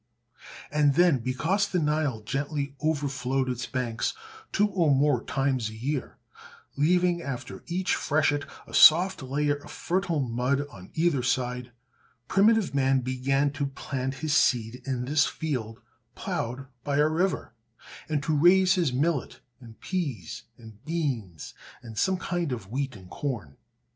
And then, because the Nile gently overflowed its banks two or more times a year, leaving after each freshet a soft layer of fertile mud on either side, primitive man began to plant his seed in this field plowed by a river, and to raise his millet, and peas, and beans, and some kind of wheat and corn.